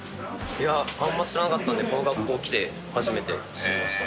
いや、あんま知らなかったので、この学校来て初めて知りました。